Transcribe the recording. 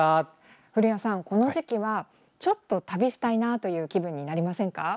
古谷さん、この時期はちょっと旅したいなという気分になりませんか？